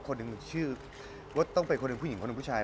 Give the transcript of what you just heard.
ต้องเป็นผู้หญิงหรือคนนึงผู้ชาย